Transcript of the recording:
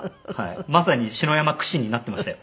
まさに篠山苦心になってましたよ